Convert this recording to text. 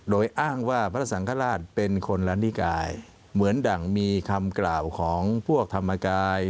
โดยอ้างว่าพระสังฆราชเป็นคนละนิกายเหมือนดั่งมีคำกล่าวของพวกธรรมกาย